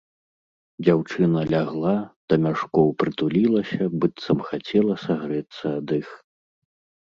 Дзяўчына лягла, да мяшкоў прытулілася, быццам хацела сагрэцца ад іх.